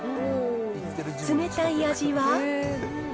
冷たい味は。